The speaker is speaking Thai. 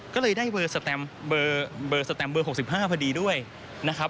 ก็เลยได้เบอร์สแตมเบอร์๖๕พอดีด้วยนะครับ